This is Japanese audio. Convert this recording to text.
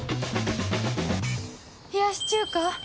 冷やし中華